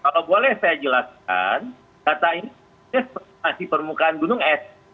kalau boleh saya jelaskan data ini masih permukaan gunung es